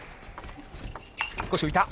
少し浮いた。